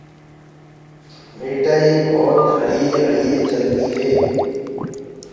ميٺآئي بوت هݪي هݪي چلدي هي۔